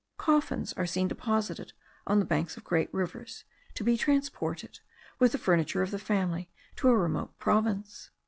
Coffins are seen deposited on the banks of great rivers, to be transported, with the furniture of the family, to a remote province.